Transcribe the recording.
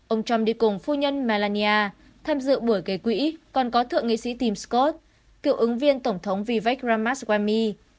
ông trump đi cùng phu nhân melania tham dự buổi kỳ quỹ còn có thượng nghị sĩ tim scott cựu ứng viên tổng thống vivek ramaswamy